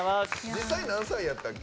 実際、何歳やったっけ？